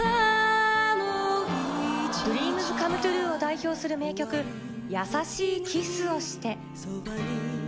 ＤＲＥＡＭＳＣＯＭＥＴＲＵＥを代表する名曲『やさしいキスをして』。